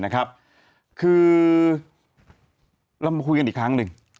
คือเรามาคุยกันอีกครั้งหนึ่ง